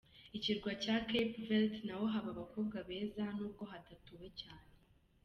Ikirwa cya cape Vert naho haba abakobwa beza n’ubwo hadatuwe cyane.